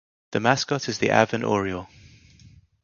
The mascot is the Avon Oriole.